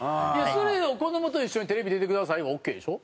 それを「子供と一緒にテレビ出てください」はオーケーでしょ？